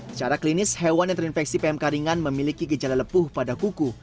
secara klinis hewan yang terinfeksi pmk ringan memiliki gejala lepuh pada kuku